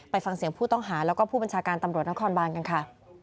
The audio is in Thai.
ฟังเสียงผู้ต้องหาแล้วก็ผู้บัญชาการตำรวจนครบานกันค่ะ